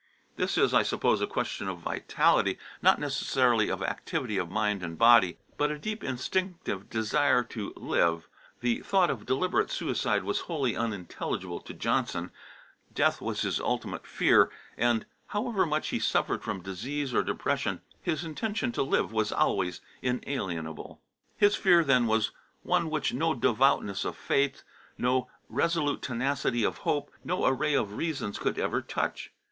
This is, I suppose, a question of vitality, not necessarily of activity of mind and body, but a deep instinctive desire to live; the thought of deliberate suicide was wholly unintelligible to Johnson, death was his ultimate fear, and however much he suffered from disease or depression, his intention to live was always inalienable. His fear then was one which no devoutness of faith, no resolute tenacity of hope, no array of reasons could ever touch.